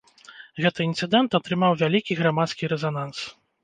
Гэты інцыдэнт атрымаў вялікі грамадскі рэзананс.